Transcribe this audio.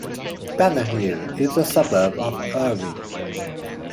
Banner Hill is a suburb of Erwin.